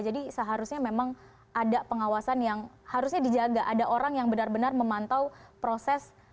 jadi seharusnya memang ada pengawasan yang harusnya dijaga ada orang yang benar benar memantau proses